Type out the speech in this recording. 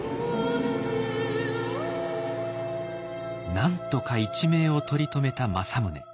なんとか一命を取り留めた政宗。